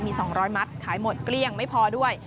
มี๒๐๐มัตต์ขายหมดเกลี้ยงไม่พอด้วย